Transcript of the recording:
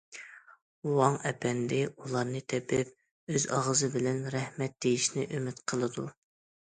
ۋاڭ ئەپەندى ئۇلارنى تېپىپ، ئۆز ئاغزى بىلەن« رەھمەت» دېيىشنى ئۈمىد قىلىدۇ.